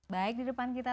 baik di depan kita